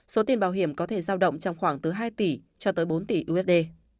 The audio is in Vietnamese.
số tiền bảo hiểm có thể giao động trong khoảng từ hai tỷ cho tới bốn tỷ usd